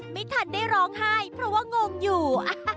ไม่ทันได้ร้องไห้เพราะว่างงอยู่